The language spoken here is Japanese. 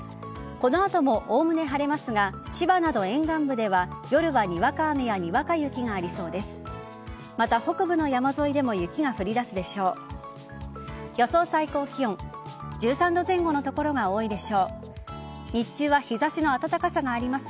この後もおおむね晴れますが千葉など沿岸部では夜は、にわか雨やにわか雪がありそうです。